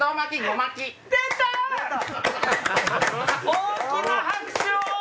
大きな拍手を！